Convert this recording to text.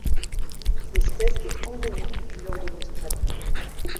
L'espèce est endémique du nord de l'Australie.